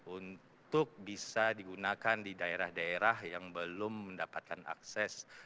untuk bisa digunakan di daerah daerah yang belum mendapatkan akses